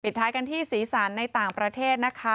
ท้ายกันที่สีสันในต่างประเทศนะคะ